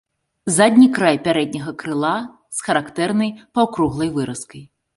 Задні край пярэдняга крыла з характэрнай паўкруглай выразкай.